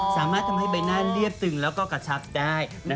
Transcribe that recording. สามารถทำให้ใบหน้าเรียบตึงแล้วก็กระชับได้